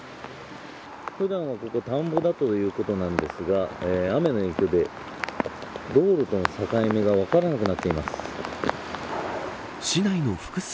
普段はここ田んぼだということなんですが雨の影響で道路との境目が分からなくなっています。